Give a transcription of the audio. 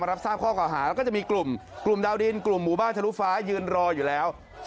รับทราบข้อเก่าหาแล้วก็จะมีกลุ่มกลุ่มดาวดินกลุ่มหมู่บ้านทะลุฟ้ายืนรออยู่แล้ว